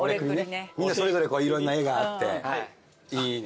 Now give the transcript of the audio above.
みんなそれぞれいろんな絵があっていいね。